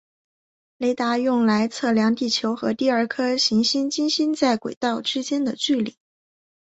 雷达用来测量地球和第二颗行星金星在轨道之间的距离。